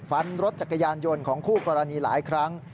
รถจักรยานยนต์ของคู่กรณีหลายครั้ง